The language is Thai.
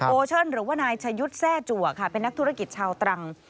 เชิญหรือว่านายชะยุทธ์แทร่จัวค่ะเป็นนักธุรกิจชาวตรัง